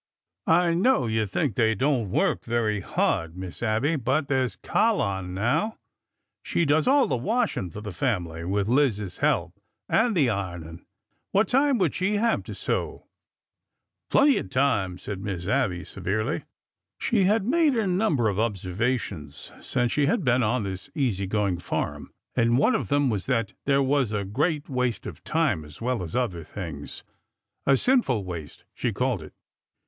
I know you think they don't work very hard. Miss Abby,— but there 's Ca'line, now. She does all the wash ing for the family, with Liz's help,— and the ironing. What time would she have to sew ?"" Plenty of time," said Miss Abby, severely. She had made a number of observations since she had been on this easy going farm, and one of them was that there was a great waste of time as well as other things — a sinful waste, she called it.